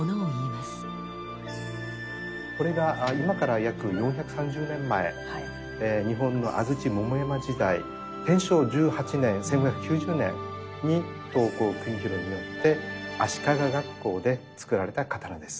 これが今から約４３０年前日本の安土桃山時代天正１８年１５９０年に刀工国広によって足利学校で作られた刀です。